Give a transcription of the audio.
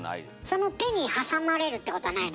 その手に挟まれるってことはないの？